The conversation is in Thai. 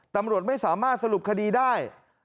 ตำรวจไม่สามารถสรุปคดีได้